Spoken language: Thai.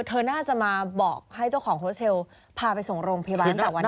เธอน่าจะมาบอกให้เจ้าของโฮสเชลพาไปส่งโรงพยาบาลตั้งแต่วันนี้